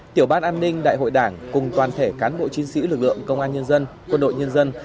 tiểu ban an ninh đại hội đảng cùng toàn thể cán bộ chiến sĩ lực lượng công an nhân dân quân đội nhân dân